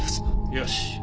よし。